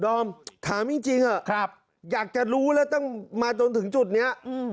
อมถามจริงอยากจะรู้แล้วต้องมาจนถึงจุดนี้